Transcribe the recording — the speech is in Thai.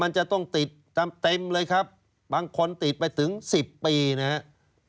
มันจะต้องติดตามเต็มเลยครับบางคนติดไปถึง๑๐ปีนะครับ